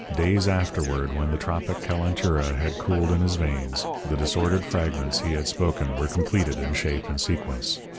Days afterward, when the tropic calentura had cooled in his veins, the disordered fragments he had spoken were completed in shape and sequence.